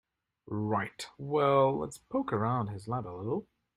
Right, well let's poke around his lab a little.